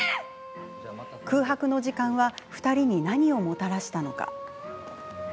空白の時間は２人に何をもたらしたのか。